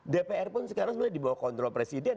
dpr pun sekarang sebenarnya di bawah kontrol presiden